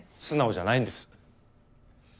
素直じゃないんです。